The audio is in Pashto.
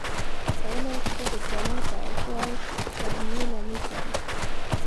تړلی اقتصاد د درنو تعرفو او سهمیو لامل کیږي.